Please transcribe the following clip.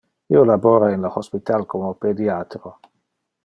Io labora in le hospital como pediatro.